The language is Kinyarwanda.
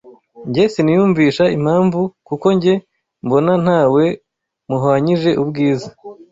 njye siniyumvisha impamvu kuko njye mbona ntawe muhwanyije ubwiza